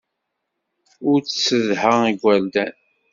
Ur tessedha igerdan.